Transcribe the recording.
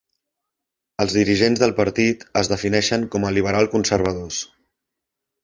Els dirigents del partit es defineixen com a liberal-conservadors.